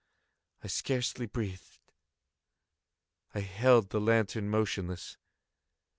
I scarcely breathed. I held the lantern motionless.